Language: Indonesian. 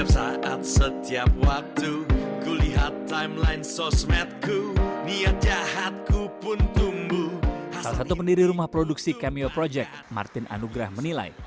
salah satu pendiri rumah produksi camio project martin anugrah menilai